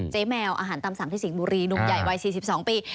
แมวอาหารตามสั่งที่สิงห์บุรีหนุ่มใหญ่วัย๔๒ปี